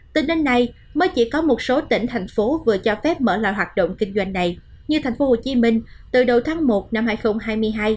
tính đến nay mới chỉ có một số tỉnh thành phố vừa cho phép mở lại hoạt động kinh doanh này như thành phố hồ chí minh từ đầu tháng một năm hai nghìn hai mươi hai